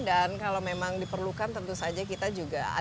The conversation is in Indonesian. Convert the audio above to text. dan kalau memang diperlukan tentu saja kita juga harus pelajari